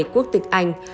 quốc tịch anh